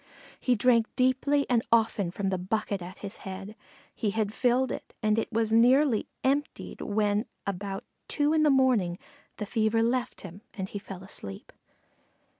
He drank deeply and often from the bucket at his head. He had filled it, and it was nearly emptied when about two in the morning the fever left him and he fell asleep.